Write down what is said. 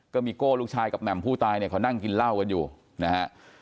โก้ลูกชายกับแหม่มผู้ตายเนี่ยเขานั่งกินเหล้ากันอยู่นะฮะ